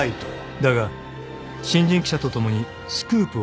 ［だが新人記者と共にスクープを報道すべく］